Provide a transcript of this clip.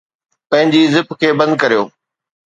پنھنجي زپ کي بند ڪريو